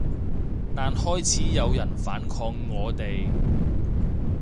但開始有人反抗我哋